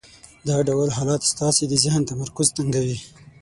دا ډول حالت ستاسې د ذهن تمرکز تنګوي.